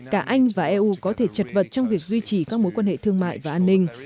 cả anh và eu có thể chật vật trong việc duy trì các mối quan hệ thương mại và an ninh